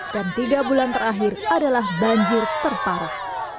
dan tiga bulan terakhir adalah banjir terparah